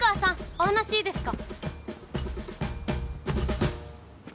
お話いいですか？